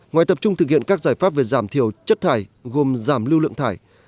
ngoài tập trung thực hiện các giải pháp về giảm thiểu chất thải gồm giảm lưu lượng thải